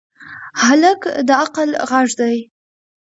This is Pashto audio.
هلک د عقل غږ دی.